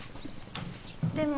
でも。